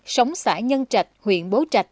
sống xã nhân trạch huyện bố trạch